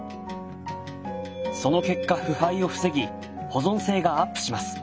その結果腐敗を防ぎ保存性がアップします。